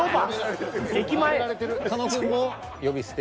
狩野くんも呼び捨て？